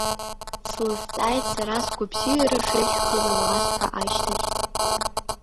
Слызҵааит сара, сгәабзиара шеиӷьхаз анласҳәа ашьҭахь.